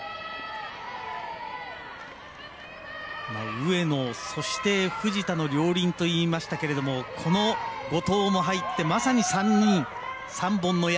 上野、そして藤田の両輪と言いましたけれどもこの後藤も入ってまさに３人３本の矢。